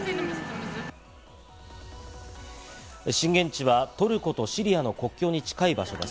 震源地はトルコとシリアの国境に近い場所です。